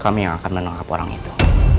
kami yang akan menangkap orang itu